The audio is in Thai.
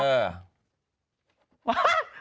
อ๋อเหรอค่ะ